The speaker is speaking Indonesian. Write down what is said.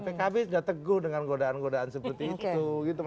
pkb sudah teguh dengan godaan godaan seperti itu